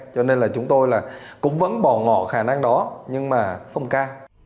cho nên là chúng tôi là cũng vẫn bỏ ngỏ khả năng đó nhưng mà không ca